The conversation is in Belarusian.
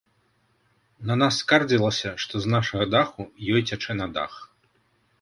На нас скардзілася, што з нашага даху ёй цячэ на дах.